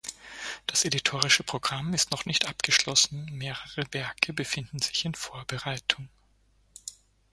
Das editorische Programm ist noch nicht abgeschlossen; mehrere Werke befinden sich in Vorbereitung.